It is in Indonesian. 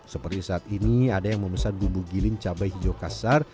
seperti saat ini ada yang memesan bumbu giling cabai hijau kasar